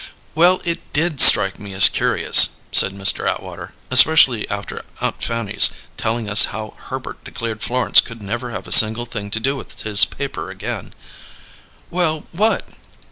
"Well, it did strike me as curious," said Mr. Atwater; "especially after Aunt Fanny's telling us how Herbert declared Florence could never have a single thing to do with his paper again " "Well, what?"